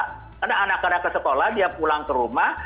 karena anak anak ke sekolah dia pulang ke rumah